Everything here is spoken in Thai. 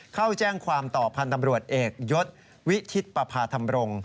เข้าแจ้งความต่อพันธ์ตำรวจเอกยศวิทิศประพาธรรมรงค์